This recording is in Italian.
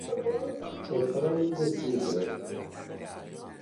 A Trade Secret